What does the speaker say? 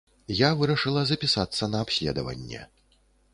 Я вырашыла запісацца на абследаванне.